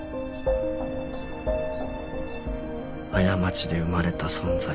過ちで生まれた存在